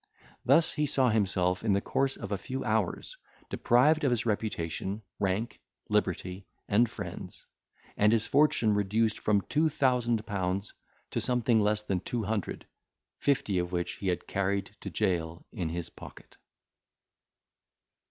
Thus, he saw himself, in the course of a few hours, deprived of his reputation, rank, liberty, and friends; and his fortune reduced from two thousand pounds to something less than two hundred, fifty of which he had carried to jail in his pocket.